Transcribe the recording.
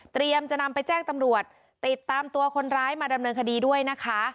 จะนำไปแจ้งตำรวจติดตามตัวคนร้ายมาดำเนินคดีด้วยนะคะ